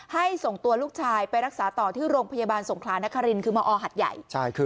ส่งตัวลูกชายไปรักษาต่อที่โรงพยาบาลสงครานครินคือมอหัดใหญ่